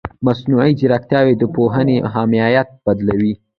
مصنوعي ځیرکتیا د پوهې ماهیت بدلوي.